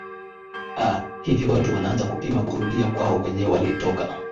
a hivi watu hivi wanaanza kupima kurudia kwao kwenye walitoka